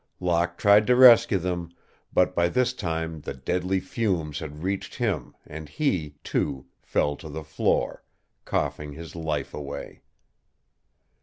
Locke tried to rescue them, but by this time the deadly fumes had reached him and he, too, fell to the floor, coughing his life away.